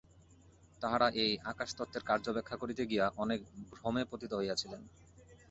তাঁহারা এই আকাশতত্ত্বের কার্য ব্যাখ্যা করিতে গিয়া অনেক ভ্রমে পতিত হইয়াছিলেন।